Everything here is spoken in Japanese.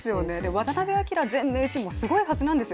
渡辺明前名人もすごいはずなんです。